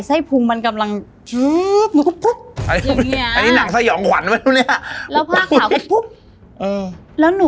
เหมือนติดตลกเลยนะแต่จริงแล้วมันน่ากลัวนะ